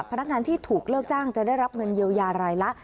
พนักงานที่ถูกเลิกจ้างจะได้รับเงินเยียวยารายละ